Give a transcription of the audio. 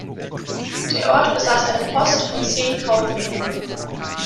Der Ort besaß eine Post und zehn Kaufläden.